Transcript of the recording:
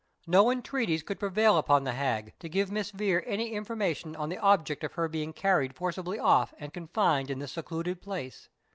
No entreaties could prevail upon the hag to give Miss Vere any information on the object of her being carried forcibly off, and confined in this secluded place.